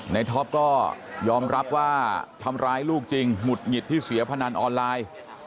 ท็อปก็ยอมรับว่าทำร้ายลูกจริงหงุดหงิดที่เสียพนันออนไลน์